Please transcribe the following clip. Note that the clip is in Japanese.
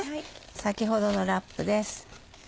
先ほどのラップです。